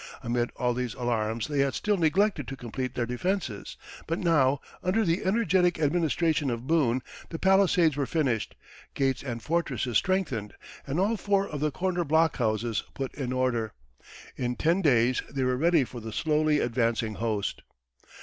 Amid all these alarms they had still neglected to complete their defenses; but now, under the energetic administration of Boone, the palisades were finished, gates and fortresses strengthened, and all four of the corner blockhouses put in order. In ten days they were ready for the slowly advancing host.